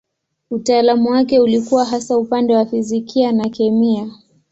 Utaalamu wake ulikuwa hasa upande wa fizikia na kemia.